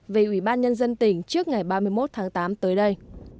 về ubnd tỉnh trước ngày ba mươi một tháng tám tới đây